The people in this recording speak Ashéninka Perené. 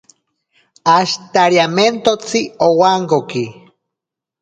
Ashitariamentotsi owankoki.